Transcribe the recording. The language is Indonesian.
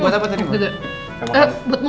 gue doain juga dong